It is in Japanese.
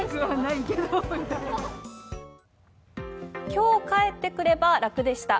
今日帰ってくれば楽でした。